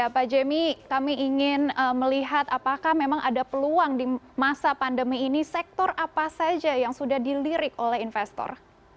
pak jemi kami ingin melihat apakah memang ada peluang di masa pandemi ini sektor apa saja yang sudah dilirik oleh investor